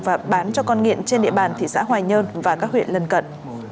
và bán cho con nghiện trên địa bàn thị xã hoài nhơn và các huyện lân cận